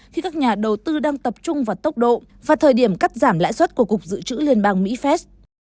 khi các nhà đầu tư đang tập trung vào tốc độ và thời điểm cắt giảm lãi suất của cục dự trữ liên bang mỹ fed